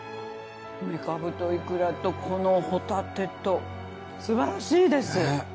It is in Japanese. めかぶといくらとこのホタテとすばらしいです！